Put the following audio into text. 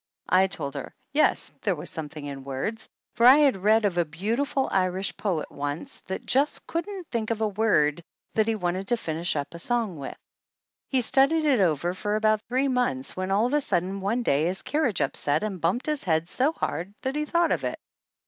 I told her yes, there was something in words, for I had read of a beautiful Irish poet once that just couldn't think of a word that he wanted to finish up a song with. He studied over it for about three months, when all of a sudden one day his carriage upset and bumped his head so hard that he thought of it.